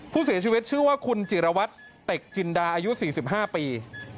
ผู้เสียชีวิตชื่อว่าคุณจิรวัตรเต็กจินดาอายุ๔๕ปี